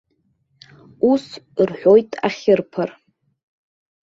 Ус рҳәоит ахьырԥар.